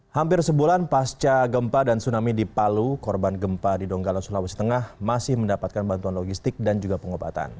hampir sebulan pasca gempa dan tsunami di palu korban gempa di donggala sulawesi tengah masih mendapatkan bantuan logistik dan juga pengobatan